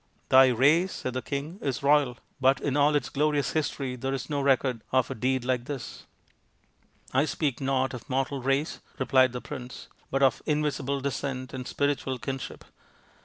" Thy race," said the king, " is royal, but in all its THE PRINCE WONDERFUL 197 glorious history there is no record of a deed like this." " I speak not of mortal race," replied the prince, " but of invisible descent and spiritual kinship.